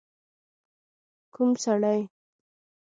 ک و م سړی؟